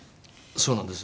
そうなんです。